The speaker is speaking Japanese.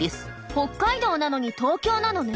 北海道なのに東京なのね。